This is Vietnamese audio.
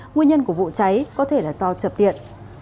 nguyên nhân của vụ cháy có thể là do trợp điện